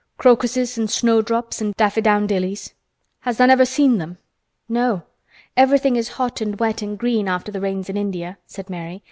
"Crocuses an' snowdrops an' daffydowndillys. Has tha' never seen them?" "No. Everything is hot, and wet, and green after the rains in India," said Mary.